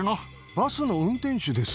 バスの運転手です。